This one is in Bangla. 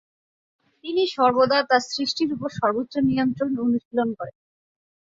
তিনি সর্বদা তার সৃষ্টির উপর সর্বোচ্চ নিয়ন্ত্রণ অনুশীলন করেন।